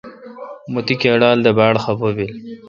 مہ تی کیڈال دے باڑ خفہ بیل۔